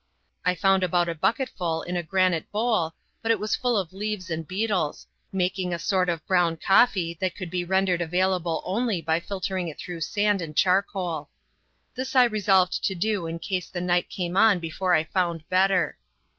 I found about a bucketful in a granite bowl, but it was full of leaves and beetles, making a sort of brown coffee that could be rendered available only by filtering it through sand and charcoal. This I resolved to do in case the night came on before I found better.